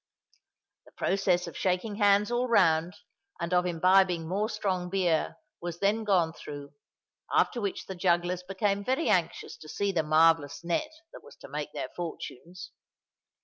The process of shaking hands all round and of imbibing more strong beer was then gone through; after which the jugglers became very anxious to see the marvellous net that was to make their fortunes.